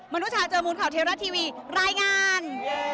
มนุษยาเจอมุนข่าวเทราะทีวีรายงาน